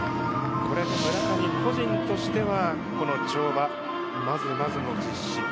村上個人としてはこの跳馬、まずまずの実施。